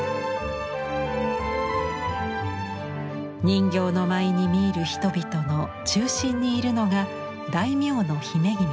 人形の舞に見入る人々の中心にいるのが大名の姫君です。